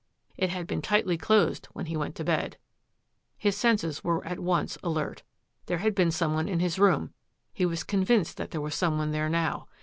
It had been tightly closed when he went to bed. His senses were at once alert. There had been some one in his room ; he was convinced that there was some one there now.